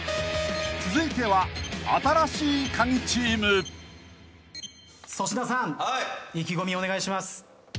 ［続いては］粗品さん意気込みお願いします。